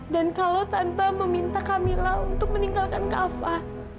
dan kalau tante meminta kamila untuk meninggalkan kava